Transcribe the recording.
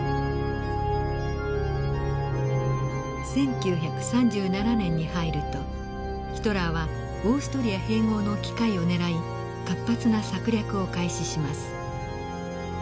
１９３７年に入るとヒトラーはオーストリア併合の機会をねらい活発な策略を開始します。